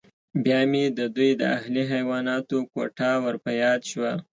بیا مې د دوی د اهلي حیواناتو کوټه ور په یاد شوه